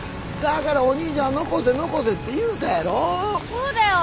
そうだよ。